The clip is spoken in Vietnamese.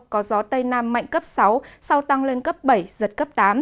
có gió tây nam mạnh cấp sáu sau tăng lên cấp bảy giật cấp tám